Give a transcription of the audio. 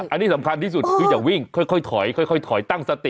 อันนี้สำคัญที่สุดคืออย่าวิ่งค่อยถอยค่อยถอยตั้งสติ